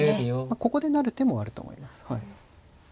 ここで成る手もあると思います。